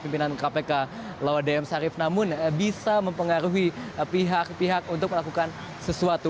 pimpinan kpk lawa dm sarif namun bisa mempengaruhi pihak pihak untuk melakukan sesuatu